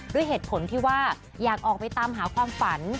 ด้วยเหตุผลที่ว่าอยากออกไปตามหาความฝัน